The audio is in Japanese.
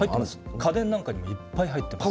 家電なんかにもいっぱい入ってます。